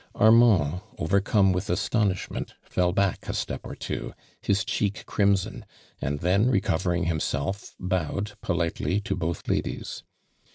Armand, overcome with astonishment, fell back a step or two, his check crimson, and then recovering himself, bowed politely to both ladies.